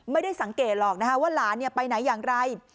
ไม่ได้สังเกตหรอกนะฮะว่าหลานเนี่ยไปไหนอย่างไร